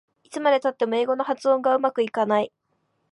いつまでたっても英語の発音がうまくいかない